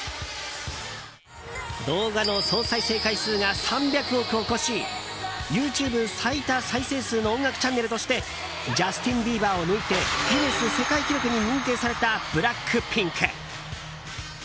動画の総再生回数が３００億を超しＹｏｕＴｕｂｅ最多再生数の音楽チャンネルとしてジャスティン・ビーバーを抜いてギネス世界記録に認定されたＢＬＡＣＫＰＩＮＫ。